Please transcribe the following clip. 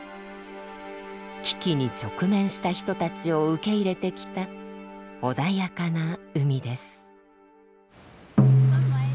危機に直面した人たちを受け入れてきた穏やかな海です。